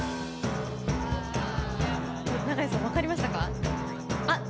長屋さん、分かりましたか？